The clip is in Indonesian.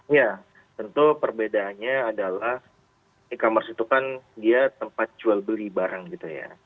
ya tentu perbedaannya adalah e commerce itu kan dia tempat jual beli barang gitu ya